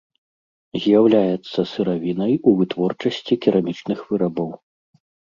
З'яўляецца сыравінай у вытворчасці керамічных вырабаў.